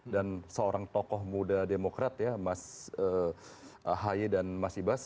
dan seorang tokoh muda demokrat ya mas ahi dan mas ibas